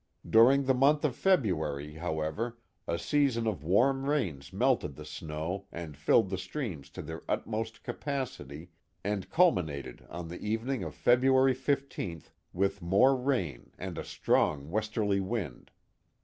During the month of February, how ever, a season of warm rains melted the snow and filled the streams to their utmost capacity and culminated on the even ing of February 15th with more rain and a strong westerly wind.